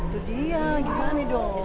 itu dia gimana dong